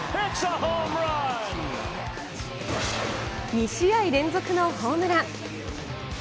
２試合連続のホームラン。